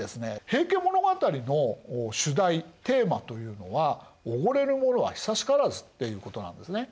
「平家物語」の主題テーマというのは「おごれる者は久しからず」っていうことなんですね。